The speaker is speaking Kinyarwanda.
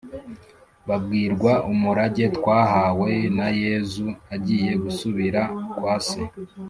babwirwa umurage twahawe na yezu agiye gusubira kwa se